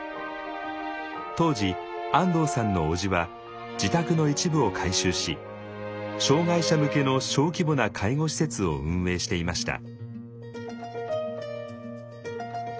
当時安藤さんのおじは自宅の一部を改修し障害者向けの小規模な介護施設を運営していました。